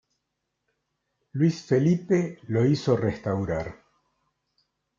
Luis Felipe lo hizo restaurar.